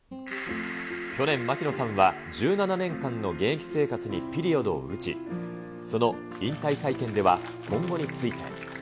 去年、槙野さんは１７年間の現役生活にピリオドを打ち、その引退会見では、今後について。